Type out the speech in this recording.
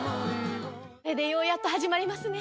ようやっと始まりますね